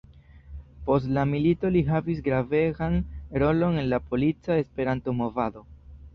Post la milito li havis gravegan rolon en la polica Esperanto-movado.